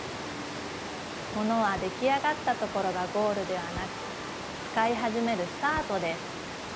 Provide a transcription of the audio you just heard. ものは出来上がったところがゴールではなくつかいはじめるスタートです。